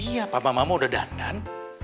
iya papa mama udah dandan